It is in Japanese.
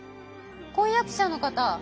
婚約者の方。